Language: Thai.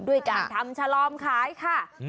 ด้วยการทำฉลอมขายค่ะ